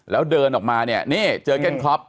แล้วเดินออกมาเนี่ยนี่เจอเก้นคล็อป